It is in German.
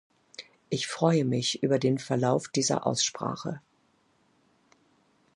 Ich freue mich über den Verlauf dieser Aussprache.